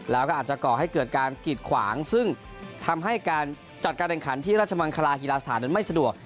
แล้วก็อาจจะก่อให้เกิดการกิดขวางซึ่งทำให้การจัดการแข่งขันที่ราชมังคลาฮีลาสถานนั้นไม่สะดวก